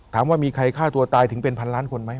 ถามว่ามีใครฆ่าตัวตายถึงเป็นพันล้านคนไหม